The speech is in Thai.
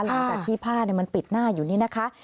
หลังจากที่ผ้ามันปิดหน้าอยู่นี่นะคะ